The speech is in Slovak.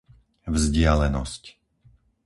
vzdialenosť